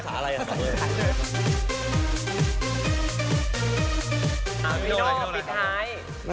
ปากเวิร์สภาษาอิทธิ์สั่งปะ